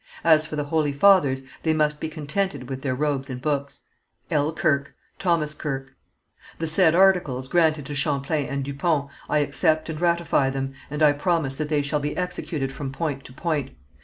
As for the holy fathers, they must be contented with their robes and books. "L. Kirke. "Thomas Kirke. "The said articles granted to Champlain and Du Pont, I accept and ratify them, and I promise that they shall be executed from point to point.